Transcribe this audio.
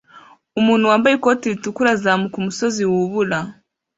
Umuntu wambaye ikoti ritukura azamuka umusozi wubura